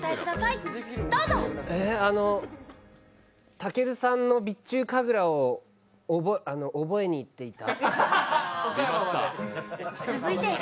たけるさんの備中神楽を覚えに行っていた。